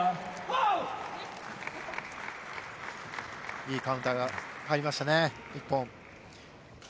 いいカウンターが入りましたね、１本。